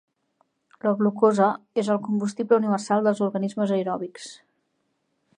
La glucosa és el combustible universal dels organismes aeròbics.